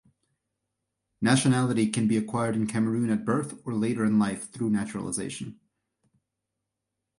Nationality can be acquired in Cameroon at birth or later in life through naturalization.